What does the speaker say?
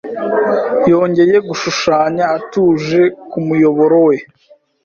Yongeye gushushanya atuje ku muyoboro we.